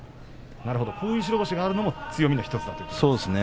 こういう白星があるのも強みだと。